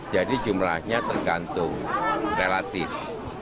jadi jumlahnya tergantung relatif